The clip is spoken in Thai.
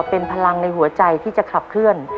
เป็นพลังในหัวใจที่จะขับเคลื่อน